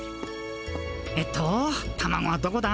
えっとタマゴはどこだ？